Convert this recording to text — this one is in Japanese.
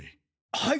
はい！